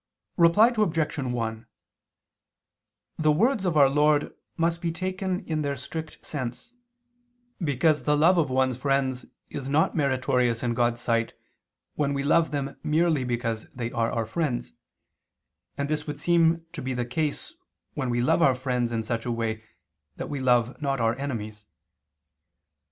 Reply Obj. 1: The words of Our Lord must be taken in their strict sense: because the love of one's friends is not meritorious in God's sight when we love them merely because they are our friends: and this would seem to be the case when we love our friends in such a way that we love not our enemies.